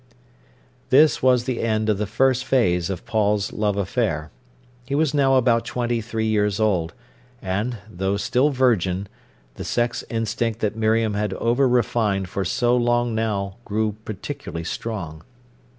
This was the end of the first phase of Paul's love affair. He was now about twenty three years old, and, though still virgin, the sex instinct that Miriam had over refined for so long now grew particularly strong.